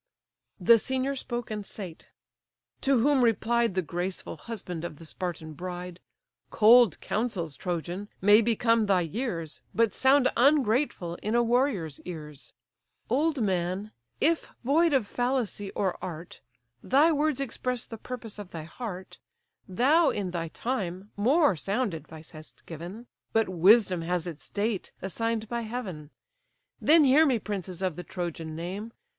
The senior spoke and sate. To whom replied The graceful husband of the Spartan bride: "Cold counsels, Trojan, may become thy years But sound ungrateful in a warrior's ears: Old man, if void of fallacy or art, Thy words express the purpose of thy heart, Thou, in thy time, more sound advice hast given; But wisdom has its date, assign'd by heaven. Then hear me, princes of the Trojan name!